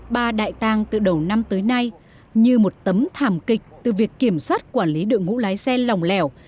ba đại tàng từ đầu năm tới nay như một tấm thảm kịch từ việc kiểm soát quản lý đội ngũ lái xe lòng lẻo